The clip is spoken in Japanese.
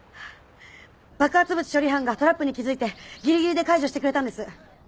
爆発物処理班がトラップに気付いてぎりぎりで解除してくれたんです。